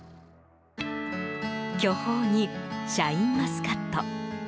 巨峰にシャインマスカット。